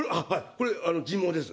これ人毛です。